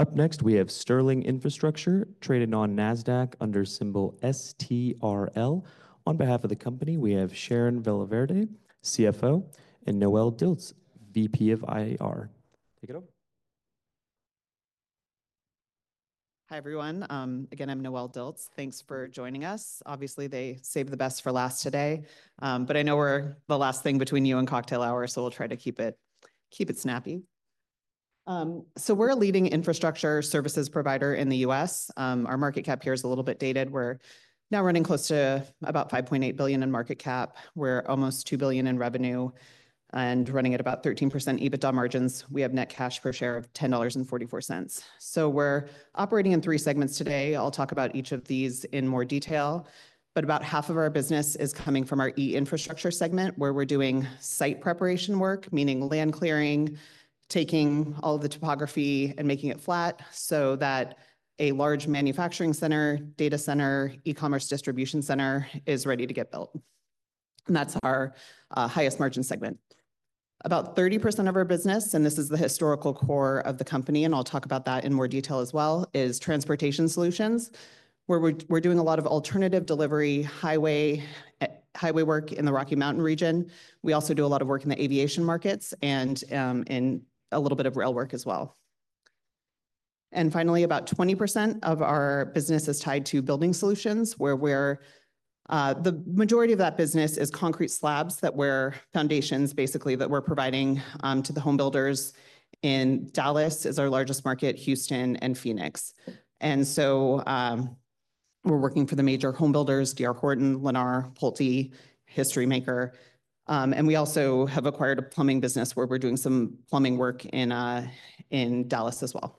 Up next, we have Sterling Infrastructure, traded on NASDAQ under symbol STRL. On behalf of the company, we have Sharon Villaverde, CFO, and Noelle Dilts, VP of IR. Take it over. Hi everyone. Again, I'm Noelle Dilts. Thanks for joining us. Obviously, they saved the best for last today, but I know we're the last thing between you and cocktail hour, so we'll try to keep it snappy, so we're a leading infrastructure services provider in the U.S. Our market cap here is a little bit dated. We're now running close to about $5.8 billion in market cap. We're almost $2 billion in revenue and running at about 13% EBITDA margins. We have net cash per share of $10.44, so we're operating in three segments today. I'll talk about each of these in more detail, but about half of our business is coming from our E-Infrastructure segment, where we're doing site preparation work, meaning land clearing, taking all of the topography and making it flat so that a large manufacturing center, data center, e-commerce distribution center is ready to get built. And that's our highest margin segment. About 30% of our business, and this is the historical core of the company, and I'll talk about that in more detail as well, is Transportation Solutions, where we're doing a lot of alternative delivery, highway work in the Rocky Mountain region. We also do a lot of work in the aviation markets and in a little bit of rail work as well. And finally, about 20% of our business is tied to Building Solutions, where the majority of that business is concrete slabs that we're foundations, basically, that we're providing to the homebuilders in Dallas, our largest market, Houston, and Phoenix. And so we're working for the major homebuilders, D.R. Horton, Lennar, Pulte, HistoryMaker. And we also have acquired a plumbing business where we're doing some plumbing work in Dallas as well.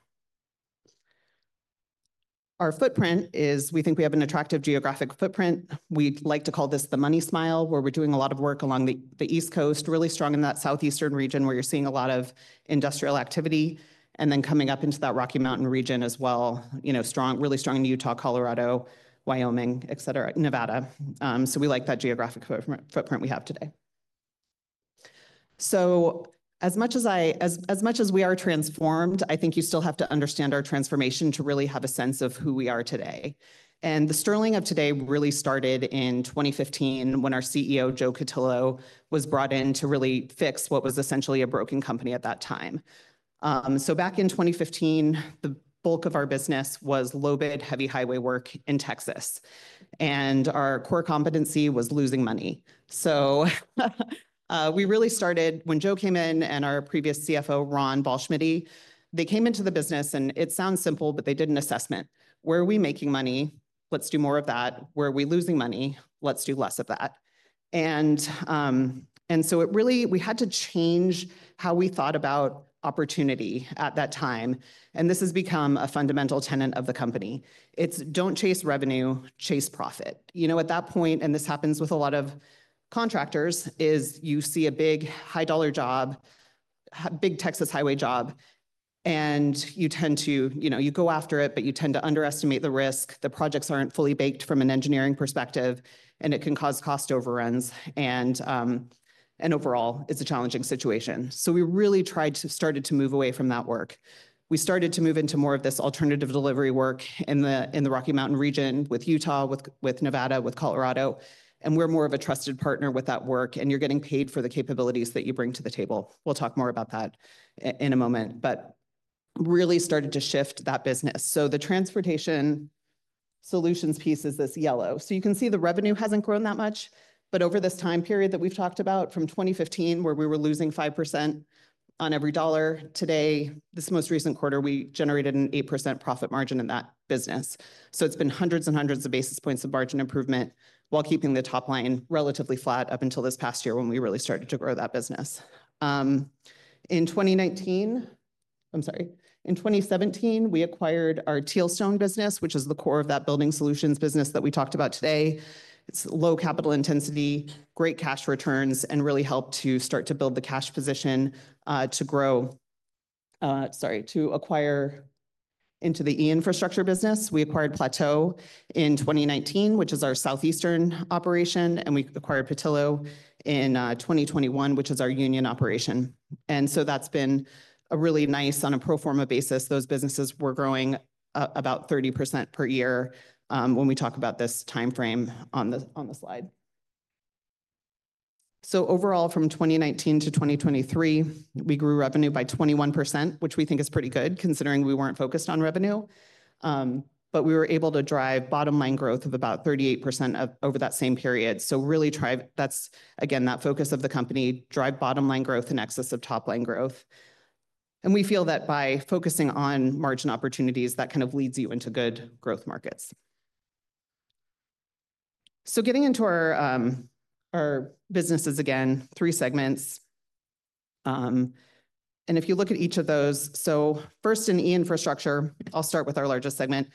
Our footprint is, we think we have an attractive geographic footprint. We like to call this the Money Smile, where we're doing a lot of work along the East Coast, really strong in that southeastern region where you're seeing a lot of industrial activity, and then coming up into that Rocky Mountain region as well, really strong in Utah, Colorado, Wyoming, etc., Nevada. So we like that geographic footprint we have today, so as much as we are transformed, I think you still have to understand our transformation to really have a sense of who we are today, and the Sterling of today really started in 2015 when our CEO, Joe Cutillo, was brought in to really fix what was essentially a broken company at that time, so back in 2015, the bulk of our business was low-bid, heavy highway work in Texas, and our core competency was losing money. So we really started when Joe came in and our previous CFO, Ron Ballschmiede, they came into the business and it sounds simple, but they did an assessment. Where are we making money? Let's do more of that. Where are we losing money? Let's do less of that. And so it really, we had to change how we thought about opportunity at that time. And this has become a fundamental tenet of the company. It's don't chase revenue, chase profit. You know, at that point, and this happens with a lot of contractors, is you see a big high-dollar job, big Texas highway job, and you tend to, you know, you go after it, but you tend to underestimate the risk. The projects aren't fully baked from an engineering perspective, and it can cause cost overruns. And overall, it's a challenging situation. So we really tried to start to move away from that work. We started to move into more of this alternative delivery work in the Rocky Mountain region with Utah, with Nevada, with Colorado. And we're more of a trusted partner with that work, and you're getting paid for the capabilities that you bring to the table. We'll talk more about that in a moment, but really started to shift that business. So the Transportation Solutions piece is this yellow. So you can see the revenue hasn't grown that much, but over this time period that we've talked about from 2015, where we were losing 5% on every dollar, today, this most recent quarter, we generated an 8% profit margin in that business. So it's been hundreds and hundreds of basis points of margin improvement while keeping the top line relatively flat up until this past year when we really started to grow that business. In 2019, I'm sorry, in 2017, we acquired our Tealstone business, which is the core of that Building Solutions business that we talked about today. It's low capital intensity, great cash returns, and really helped to start to build the cash position to grow, sorry, to acquire into the E-Infrastructure business. We acquired Plateau in 2019, which is our southeastern operation, and we acquired Petillo in 2021, which is our union operation. And so that's been a really nice on a pro forma basis. Those businesses were growing about 30% per year when we talk about this timeframe on the slide. Overall, from 2019 to 2023, we grew revenue by 21%, which we think is pretty good considering we weren't focused on revenue, but we were able to drive bottom line growth of about 38% over that same period. Really, that's again that focus of the company: drive bottom line growth in excess of top line growth. We feel that by focusing on margin opportunities, that kind of leads you into good growth markets. Getting into our businesses again, three segments. If you look at each of those, first in E-Infrastructure, I'll start with our largest segment.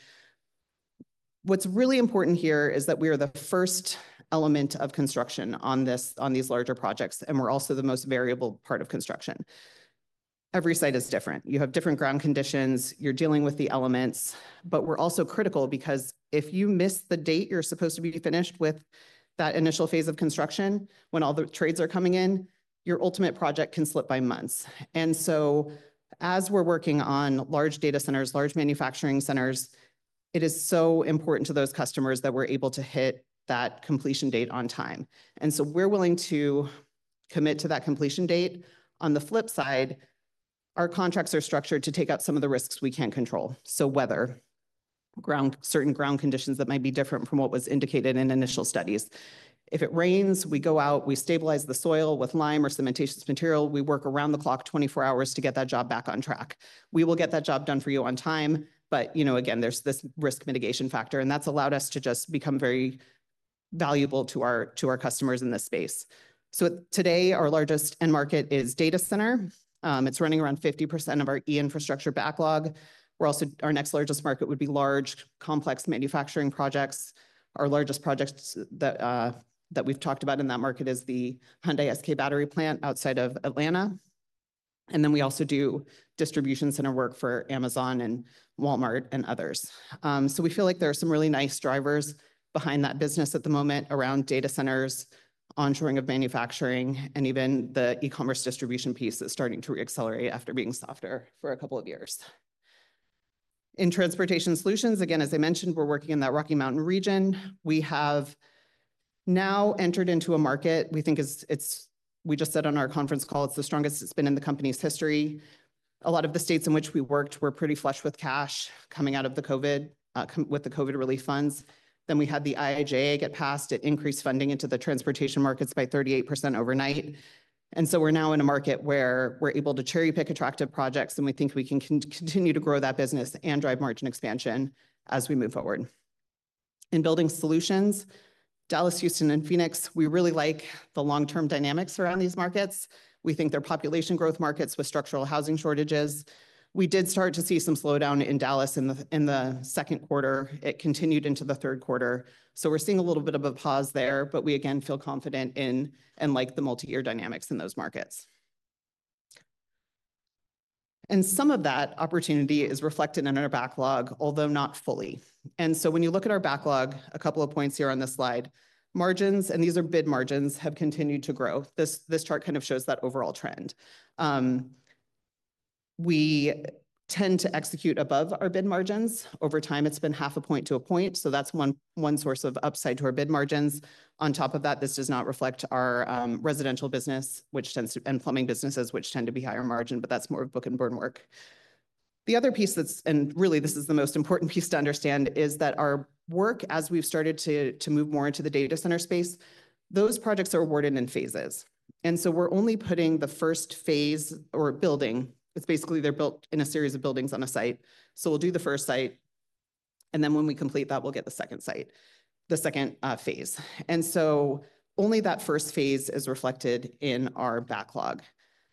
What's really important here is that we are the first element of construction on these larger projects, and we're also the most variable part of construction. Every site is different. You have different ground conditions. You're dealing with the elements, but we're also critical because if you miss the date you're supposed to be finished with that initial phase of construction, when all the trades are coming in, your ultimate project can slip by months. And so as we're working on large data centers, large manufacturing centers, it is so important to those customers that we're able to hit that completion date on time. And so we're willing to commit to that completion date. On the flip side, our contracts are structured to take up some of the risks we can't control. So weather, certain ground conditions that might be different from what was indicated in initial studies. If it rains, we go out, we stabilize the soil with lime or cementitious material. We work around the clock 24 hours to get that job back on track. We will get that job done for you on time, but you know, again, there's this risk mitigation factor, and that's allowed us to just become very valuable to our customers in this space. So today, our largest end market is data center. It's running around 50% of our E-Infrastructure backlog. Our next largest market would be large, complex manufacturing projects. Our largest project that we've talked about in that market is the Hyundai SK battery plant outside of Atlanta. And then we also do distribution center work for Amazon and Walmart and others. So we feel like there are some really nice drivers behind that business at the moment around data centers, onshoring of manufacturing, and even the e-commerce distribution piece that's starting to accelerate after being softer for a couple of years. In Transportation Solutions, again, as I mentioned, we're working in that Rocky Mountain region. We have now entered into a market we think is. We just said on our conference call, it's the strongest it's been in the company's history. A lot of the states in which we worked were pretty flush with cash coming out of the COVID, with the COVID relief funds. Then we had the IIJA get passed. It increased funding into the transportation markets by 38% overnight, and so we're now in a market where we're able to cherry-pick attractive projects, and we think we can continue to grow that business and drive margin expansion as we move forward. In Building Solutions, Dallas, Houston, and Phoenix, we really like the long-term dynamics around these markets. We think they're population growth markets with structural housing shortages. We did start to see some slowdown in Dallas in the second quarter. It continued into the third quarter. We're seeing a little bit of a pause there, but we again feel confident in and like the multi-year dynamics in those markets. Some of that opportunity is reflected in our backlog, although not fully. When you look at our backlog, a couple of points here on this slide. Margins, and these are bid margins, have continued to grow. This chart kind of shows that overall trend. We tend to execute above our bid margins. Over time, it's been half a point to a point, so that's one source of upside to our bid margins. On top of that, this does not reflect our residential business, which tends to, and plumbing businesses, which tend to be higher margin, but that's more of book and burn work. The other piece that's, and really this is the most important piece to understand, is that our work, as we've started to move more into the data center space, those projects are awarded in phases. And so we're only putting the first phase or building. It's basically they're built in a series of buildings on a site. So we'll do the first site, and then when we complete that, we'll get the second phase. And so only that first phase is reflected in our backlog.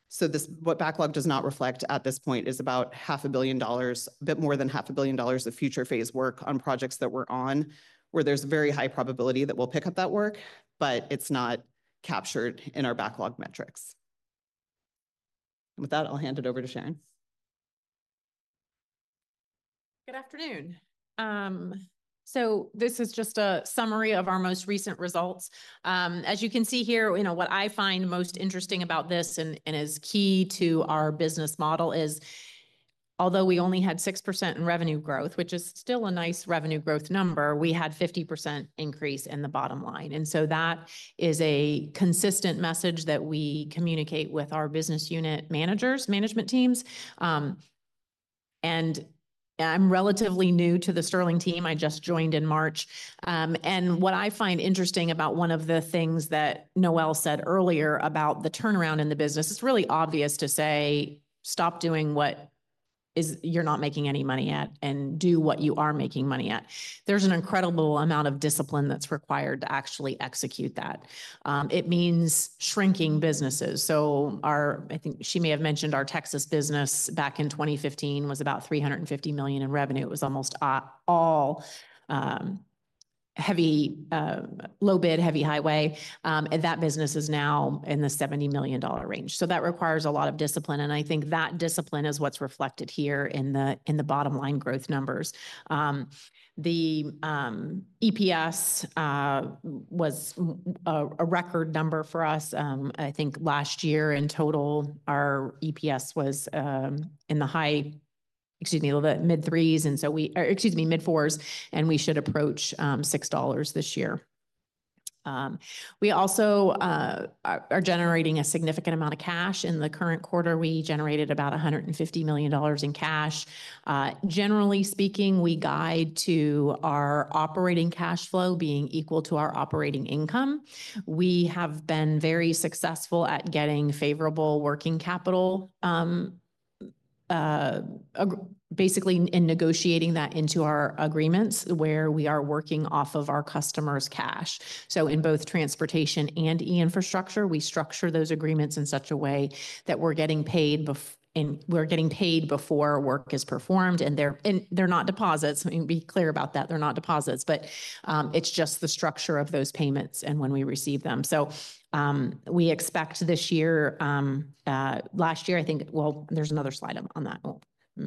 So what backlog does not reflect at this point is about $500 million, a bit more than $500 million of future phase work on projects that we're on, where there's very high probability that we'll pick up that work, but it's not captured in our backlog metrics. And with that, I'll hand it over to Sharon. Good afternoon, so this is just a summary of our most recent results. As you can see here, you know what I find most interesting about this and is key to our business model is, although we only had 6% in revenue growth, which is still a nice revenue growth number, we had a 50% increase in the bottom line, and so that is a consistent message that we communicate with our business unit managers, management teams. I'm relatively new to the Sterling team. I just joined in March, and what I find interesting about one of the things that Noelle said earlier about the turnaround in the business, it's really obvious to say, stop doing what you're not making any money at and do what you are making money at. There's an incredible amount of discipline that's required to actually execute that. It means shrinking businesses. So I think she may have mentioned our Texas business back in 2015 was about $350 million in revenue. It was almost all heavy, low-bid, heavy highway. And that business is now in the $70 million range. So that requires a lot of discipline. And I think that discipline is what's reflected here in the bottom line growth numbers. The EPS was a record number for us. I think last year in total, our EPS was in the high, excuse me, the mid-threes, and so we, excuse me, mid-fours, and we should approach $6 this year. We also are generating a significant amount of cash. In the current quarter, we generated about $150 million in cash. Generally speaking, we guide to our operating cash flow being equal to our operating income. We have been very successful at getting favorable working capital, basically in negotiating that into our agreements where we are working off of our customers' cash. So in both transportation and E-Infrastructure, we structure those agreements in such a way that we're getting paid before and we're getting paid before work is performed. And they're not deposits. We can be clear about that. They're not deposits, but it's just the structure of those payments and when we receive them. So we expect this year, last year, I think, well, there's another slide on that.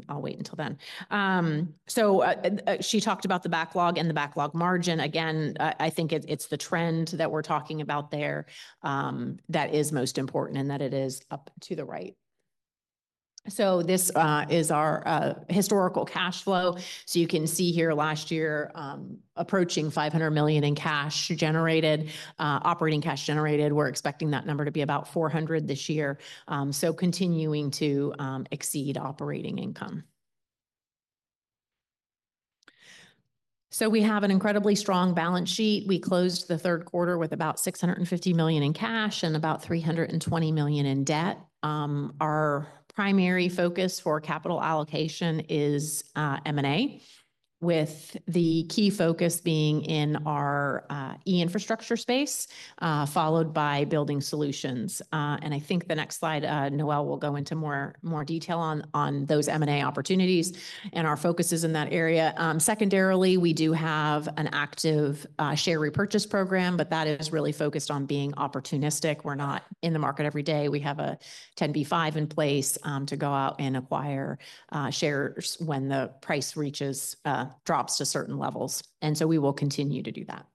I'll wait until then. So she talked about the backlog and the backlog margin. Again, I think it's the trend that we're talking about there that is most important and that it is up to the right. So this is our historical cash flow. You can see here last year, approaching $500 million in cash generated, operating cash generated. We're expecting that number to be about $400 million this year. So continuing to exceed operating income. So we have an incredibly strong balance sheet. We closed the third quarter with about $650 million in cash and about $320 million in debt. Our primary focus for capital allocation is M&A, with the key focus being in our E-Infrastructure space, followed by Building Solutions. And I think the next slide, Noelle will go into more detail on those M&A opportunities and our focuses in that area. Secondarily, we do have an active share repurchase program, but that is really focused on being opportunistic. We're not in the market every day. We have a 10b5-1 in place to go out and acquire shares when the price reaches, drops to certain levels. And so we will continue to do that.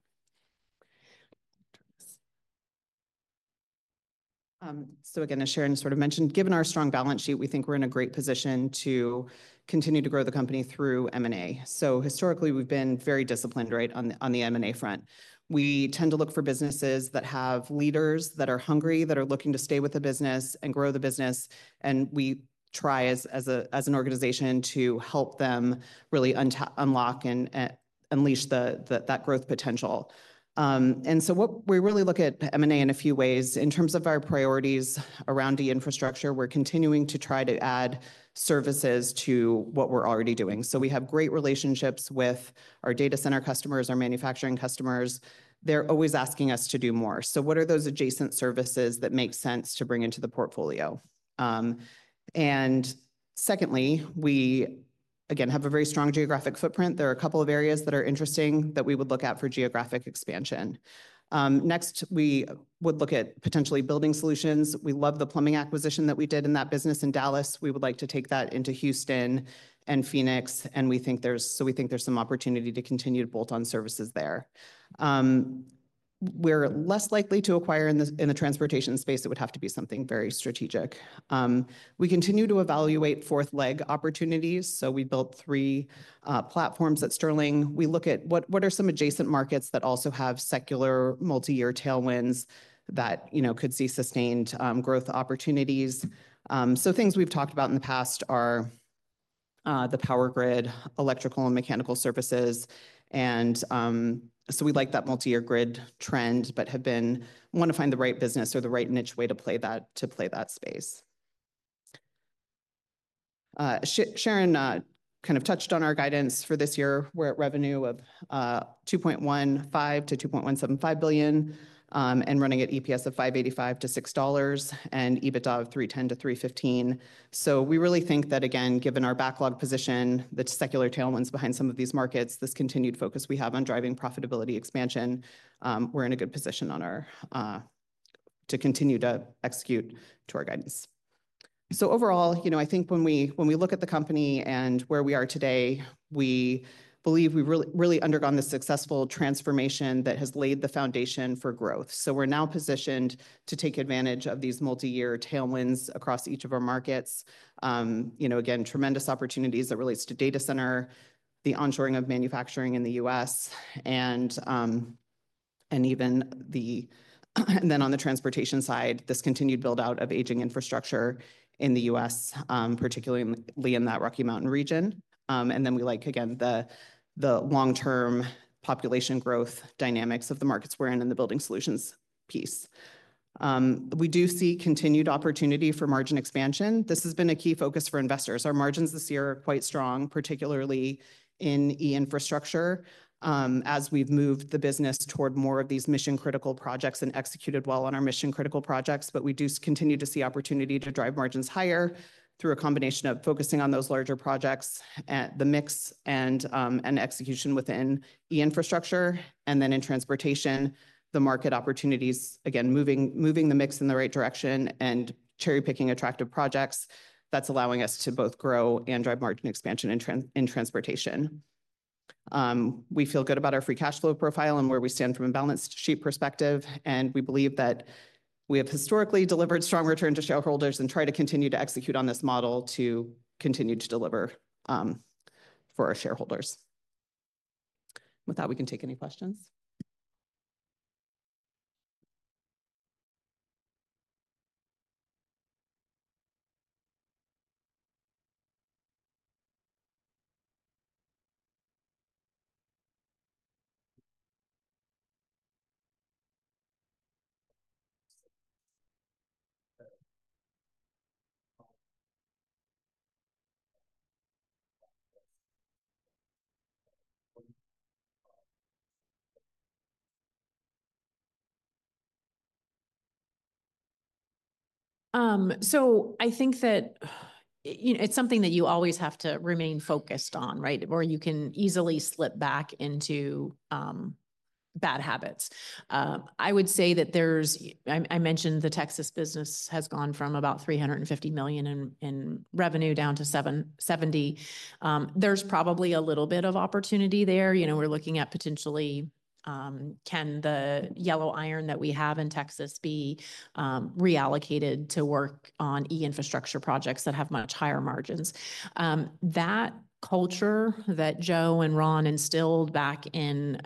So again, as Sharon sort of mentioned, given our strong balance sheet, we think we're in a great position to continue to grow the company through M&A. So historically, we've been very disciplined, right, on the M&A front. We tend to look for businesses that have leaders that are hungry, that are looking to stay with the business and grow the business. And we try as an organization to help them really unlock and unleash that growth potential. And so we really look at M&A in a few ways. In terms of our priorities around the infrastructure, we're continuing to try to add services to what we're already doing. So we have great relationships with our data center customers, our manufacturing customers. They're always asking us to do more. So what are those adjacent services that make sense to bring into the portfolio? And secondly, we again have a very strong geographic footprint. There are a couple of areas that are interesting that we would look at for geographic expansion. Next, we would look at potentially Building Solutions. We love the plumbing acquisition that we did in that business in Dallas. We would like to take that into Houston and Phoenix. And we think there's some opportunity to continue to bolt on services there. We're less likely to acquire in the transportation space. It would have to be something very strategic. We continue to evaluate fourth leg opportunities. So we built three platforms at Sterling. We look at what are some adjacent markets that also have secular multi-year tailwinds that could see sustained growth opportunities. So things we've talked about in the past are the power grid, electrical, and mechanical services, and so we like that multi-year grid trend, but have been wanting to find the right business or the right niche way to play that space. Sharon kind of touched on our guidance for this year. We're at revenue of $2.15-$2.175 billion and running at EPS of $5.85-$6 and EBITDA of $3.10-$3.15, so we really think that, again, given our backlog position, the secular tailwinds behind some of these markets, this continued focus we have on driving profitability expansion, we're in a good position to continue to execute to our guidance, so overall, you know, I think when we look at the company and where we are today, we believe we've really undergone the successful transformation that has laid the foundation for growth. So we're now positioned to take advantage of these multi-year tailwinds across each of our markets. You know, again, tremendous opportunities that relates to data center, the onshoring of manufacturing in the U.S., and then on the transportation side, this continued build-out of aging infrastructure in the U.S., particularly in that Rocky Mountain region, and then we like, again, the long-term population growth dynamics of the markets we're in and the Building Solutions piece. We do see continued opportunity for margin expansion. This has been a key focus for investors. Our margins this year are quite strong, particularly in E-Infrastructure, as we've moved the business toward more of these mission-critical projects and executed well on our mission-critical projects, but we do continue to see opportunity to drive margins higher through a combination of focusing on those larger projects and the mix and execution within E-Infrastructure. And then in transportation, the market opportunities, again, moving the mix in the right direction and cherry-picking attractive projects. That's allowing us to both grow and drive margin expansion in transportation. We feel good about our free cash flow profile and where we stand from a balance sheet perspective. And we believe that we have historically delivered strong returns to shareholders and try to continue to execute on this model to continue to deliver for our shareholders. With that, we can take any questions. I think that it's something that you always have to remain focused on, right? Or you can easily slip back into bad habits. I would say that there's. I mentioned the Texas business has gone from about $350 million in revenue down to $70. There's probably a little bit of opportunity there. You know, we're looking at potentially, can the yellow iron that we have in Texas be reallocated to work on E-Infrastructure projects that have much higher margins? That culture that Joe and Ron instilled back in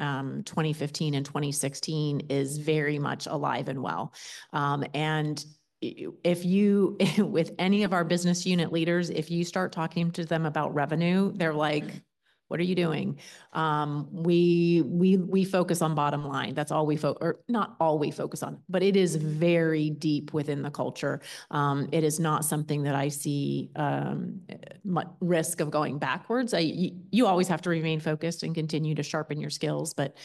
2015 and 2016 is very much alive and well, and if you, with any of our business unit leaders, if you start talking to them about revenue, they're like, what are you doing? We focus on bottom line. That's all we focus, or not all we focus on, but it is very deep within the culture. It is not something that I see much risk of going backwards. You always have to remain focused and continue to sharpen your skills, but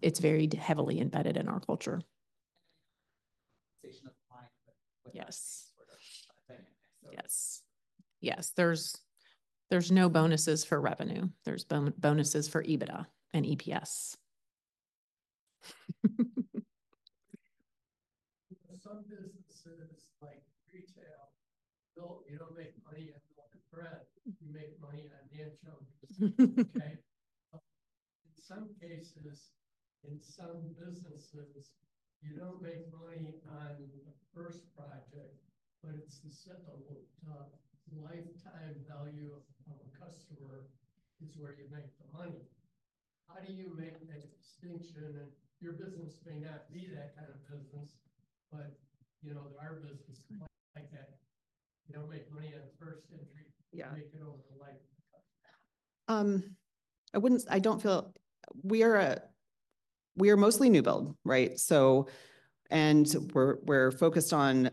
it's very heavily embedded in our culture. Yes. Yes. There's no bonuses for revenue. There's bonuses for EBITDA and EPS. Some businesses like retail, you don't make money on the front end. You make money on the back end. Okay? In some cases, in some businesses, you don't make money on the first project, but it's the lifetime value of a customer is where you make the money. How do you make that distinction, and your business may not be that kind of business, but you know our business is quite like that. You don't make money on the first entry. You make it over the lifetime. I don't feel we are mostly new build, right? And we're focused on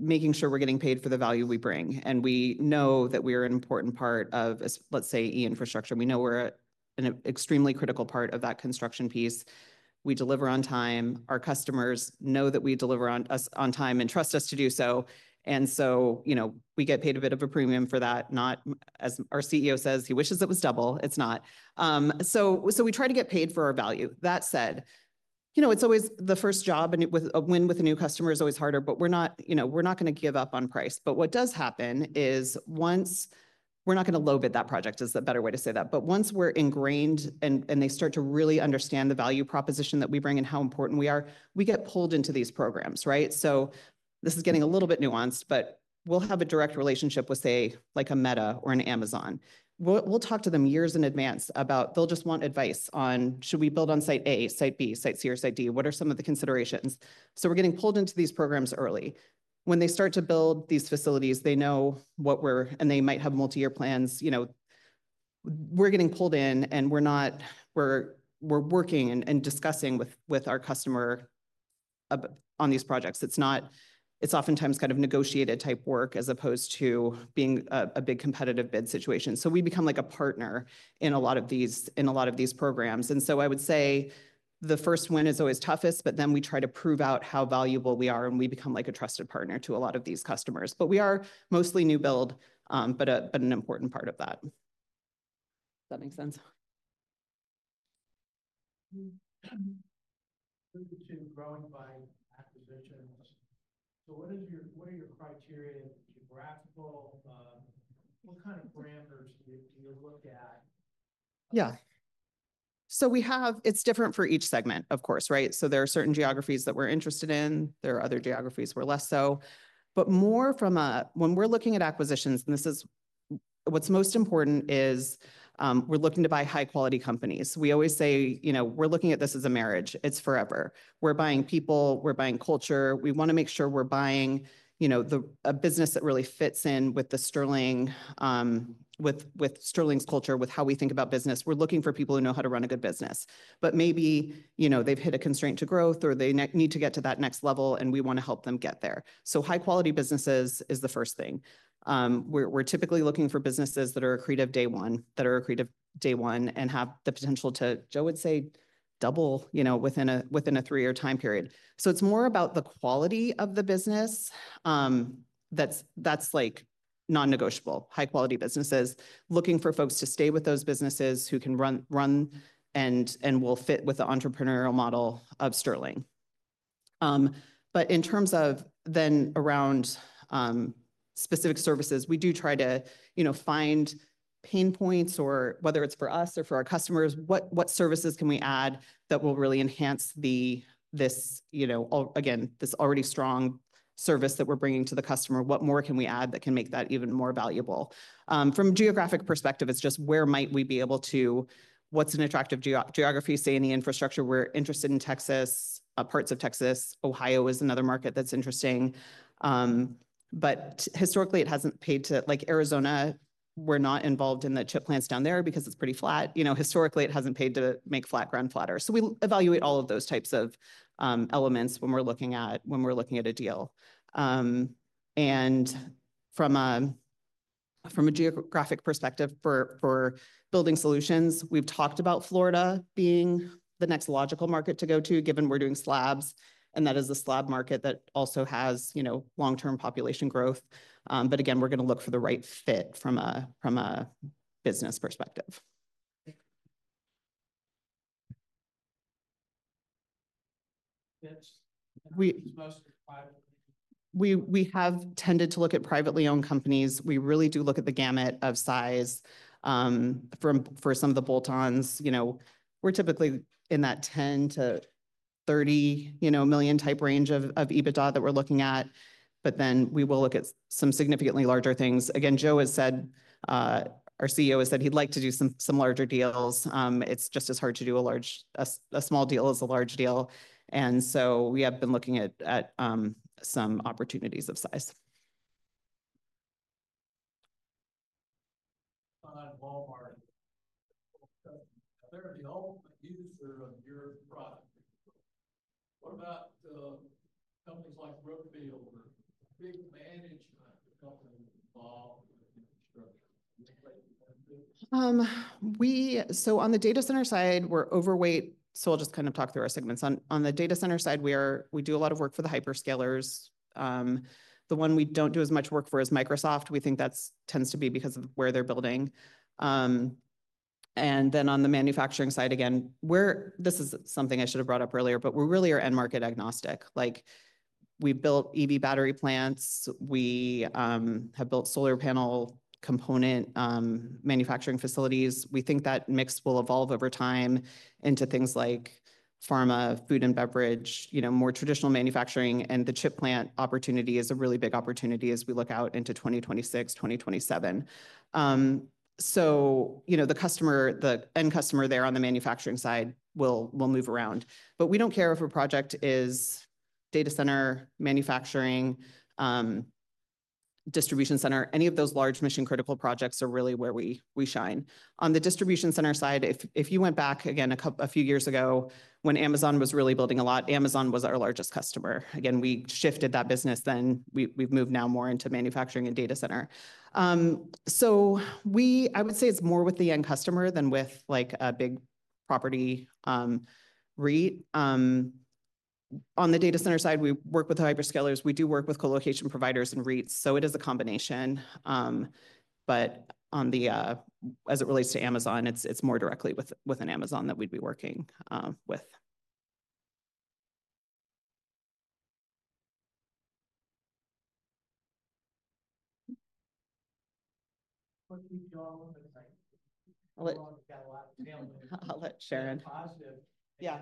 making sure we're getting paid for the value we bring. And we know that we are an important part of, let's say, E-Infrastructure. We know we're an extremely critical part of that construction piece. We deliver on time. Our customers know that we deliver on time and trust us to do so. And so, you know, we get paid a bit of a premium for that. Our CEO says he wishes it was double. It's not. So we try to get paid for our value. That said, you know, it's always the first job and win with a new customer is always harder, but we're not, you know, we're not going to give up on price. But what does happen is once we're not going to low bid that project is the better way to say that. But once we're ingrained and they start to really understand the value proposition that we bring and how important we are, we get pulled into these programs, right? So this is getting a little bit nuanced, but we'll have a direct relationship with, say, like a Meta or an Amazon. We'll talk to them years in advance about they'll just want advice on should we build on Site A, Site B, Site C, or Site D? What are some of the considerations? So we're getting pulled into these programs early. When they start to build these facilities, they know what we're, and they might have multi-year plans. You know, we're getting pulled in and we're not, we're working and discussing with our customer on these projects. It's not, it's oftentimes kind of negotiated type work as opposed to being a big competitive bid situation. So we become like a partner in a lot of these, in a lot of these programs. And so I would say the first win is always toughest, but then we try to prove out how valuable we are and we become like a trusted partner to a lot of these customers. But we are mostly new build, but an important part of that. That makes sense. Growing by acquisitions. So what are your criteria? Geographical? What kind of parameters do you look at? Yeah. So we have, it's different for each segment, of course, right? So there are certain geographies that we're interested in. There are other geographies we're less so. But more from a, when we're looking at acquisitions, and this is what's most important is we're looking to buy high-quality companies. We always say, you know, we're looking at this as a marriage. It's forever. We're buying people, we're buying culture. We want to make sure we're buying, you know, a business that really fits in with the Sterling, with Sterling's culture, with how we think about business. We're looking for people who know how to run a good business. But maybe, you know, they've hit a constraint to growth or they need to get to that next level and we want to help them get there. So high-quality businesses is the first thing. We're typically looking for businesses that are accretive from day one and have the potential to, Joe would say, double, you know, within a three-year time period. So it's more about the quality of the business. That's like non-negotiable. High-quality businesses looking for folks to stay with those businesses who can run and will fit with the entrepreneurial model of Sterling. But in terms of then around specific services, we do try to, you know, find pain points or whether it's for us or for our customers, what services can we add that will really enhance this, you know, again, this already strong service that we're bringing to the customer? What more can we add that can make that even more valuable? From a geographic perspective, it's just where might we be able to, what's an attractive geography, say in the infrastructure? We're interested in Texas, parts of Texas. Ohio is another market that's interesting. But historically, it hasn't paid to, like Arizona, we're not involved in the chip plants down there because it's pretty flat. You know, historically, it hasn't paid to make flat ground flatter. So we evaluate all of those types of elements when we're looking at a deal. And from a geographic perspective for Building Solutions, we've talked about Florida being the next logical market to go to, given we're doing slabs. And that is a slab market that also has, you know, long-term population growth. But again, we're going to look for the right fit from a business perspective. We have tended to look at privately owned companies. We really do look at the gamut of size for some of the bolt-ons. You know, we're typically in that 10-30, you know, million type range of EBITDA that we're looking at. But then we will look at some significantly larger things. Again, Joe has said, our CEO has said he'd like to do some larger deals. It's just as hard to do a small deal as a large deal. And so we have been looking at some opportunities of size. So on the data center side, we're overweight. So we'll just kind of talk through our segments. On the data center side, we do a lot of work for the hyperscalers. The one we don't do as much work for is Microsoft. We think that tends to be because of where they're building. And then on the manufacturing side, again, this is something I should have brought up earlier, but we really are end market agnostic. Like we've built EV battery plants. We have built solar panel component manufacturing facilities. We think that mix will evolve over time into things like pharma, food and beverage, you know, more traditional manufacturing. And the chip plant opportunity is a really big opportunity as we look out into 2026, 2027. So, you know, the customer, the end customer there on the manufacturing side will move around. But we don't care if a project is data center, manufacturing, distribution center. Any of those large mission-critical projects are really where we shine. On the distribution center side, if you went back again a few years ago when Amazon was really building a lot, Amazon was our largest customer. Again, we shifted that business. Then we've moved now more into manufacturing and data center. So I would say it's more with the end customer than with like a big property REIT. On the data center side, we work with hyperscalers. We do work with colocation providers and REITs. So it is a combination. But as it relates to Amazon, it's more directly with an Amazon that we'd be working with. I'll let Sharon. Yeah.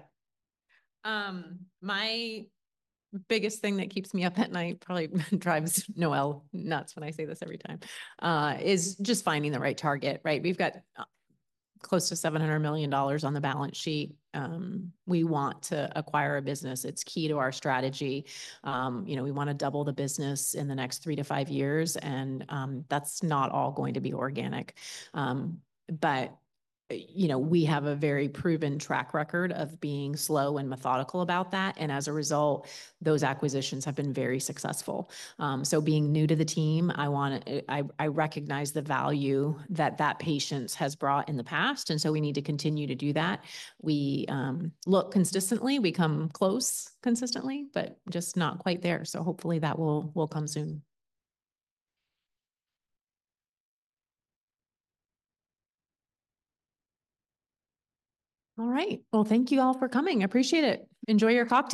My biggest thing that keeps me up at night probably drives Noelle nuts when I say this every time is just finding the right target, right? We've got close to $700 million on the balance sheet. We want to acquire a business. It's key to our strategy. You know, we want to double the business in the next three to five years, and that's not all going to be organic, but you know, we have a very proven track record of being slow and methodical about that, and as a result, those acquisitions have been very successful, so being new to the team, I recognize the value that that patience has brought in the past, and so we need to continue to do that. We look consistently. We come close consistently, but just not quite there, so hopefully that will come soon. All right, well, thank you all for coming. I appreciate it. Enjoy your coffee.